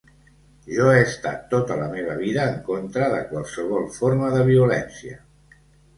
Jo he estat tota la meva vida en contra de qualsevol forma de violència.